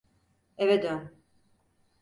Eve dön.